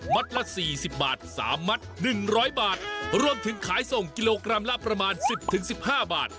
ละ๔๐บาท๓มัด๑๐๐บาทรวมถึงขายส่งกิโลกรัมละประมาณ๑๐๑๕บาท